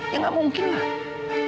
ya gak mungkin lah